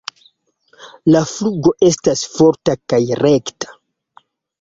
La flugo estas forta kaj rekta.